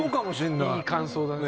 いい感想だね。